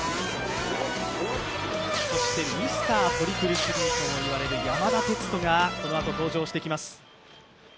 ミスター・トリプルスリーともいわれる山田哲人がこのあと登場してきます。